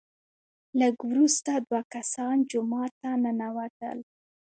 لږ وروسته دوه کسان جومات ته ننوتل،